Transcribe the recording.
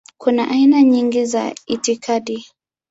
Kuna aina nyingi za itikadi.